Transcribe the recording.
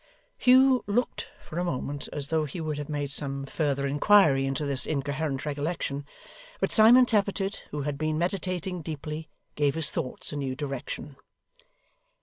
Hugh looked, for a moment, as though he would have made some further inquiry into this incoherent recollection; but Simon Tappertit, who had been meditating deeply, gave his thoughts a new direction.